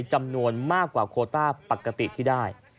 จำนวนมากกว่าโคต้าปกติที่ได้